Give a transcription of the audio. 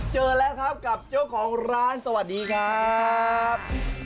เจอแล้วครับกับเจ้าของร้านสวัสดีครับ